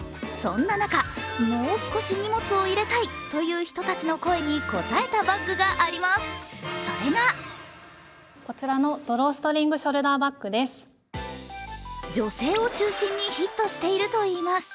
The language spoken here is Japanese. そんな中、もう少し荷物を入れたいという人たちの声に応えたバッグがあります、それが女性を中心にヒットしているといいます。